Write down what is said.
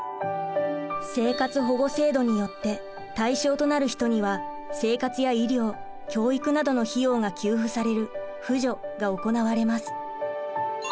生活保護制度によって対象となる人には生活や医療教育などの費用が給付される扶助が行われます。